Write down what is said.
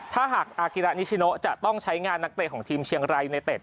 ถ้าหากอากิระนิชิโนจะต้องใช้งานนักเตะของทีมเชียงรายยูเนเต็ด